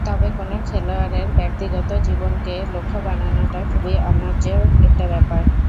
তবে কোনো খেলোয়াড়ের ব্যক্তিগত জীবনকে লক্ষ্য বানানোটা খুবই অন্যায্য একটা ব্যাপার।